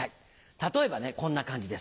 例えばねこんな感じです。